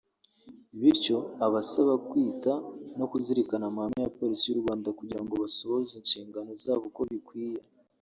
bityo abasaba kwita no kuzirikana amahame ya Polisi y’u Rwanda kugira ngo basohoze inshingano zabo uko bikwiye